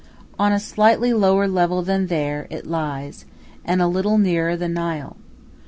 On a slightly lower level than there it lies, and a little nearer the Nile.